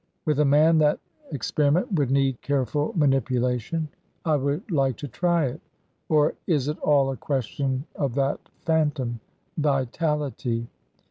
With a man that experiment would need careful manipulation I would like to try it. Or is it all a question of that phantom, Vitality?